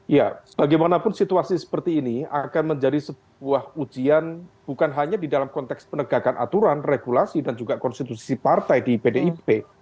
ya bagaimanapun situasi seperti ini akan menjadi sebuah ujian bukan hanya di dalam konteks penegakan aturan regulasi dan juga konstitusi partai di pdip